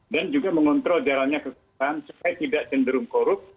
dan juga mengontrol jalannya kekesan supaya tidak cenderung korup